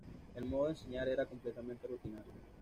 El modo de enseñar era completamente rutinario.